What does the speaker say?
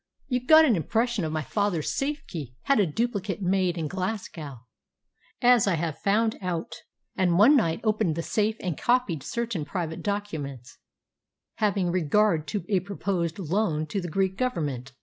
"You got an impression of my father's safe key, had a duplicate made in Glasgow, as I have found out, and one night opened the safe and copied certain private documents having regard to a proposed loan to the Greek Government.